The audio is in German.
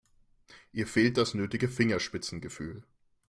Ihr fehlt das nötige Fingerspitzengefühl.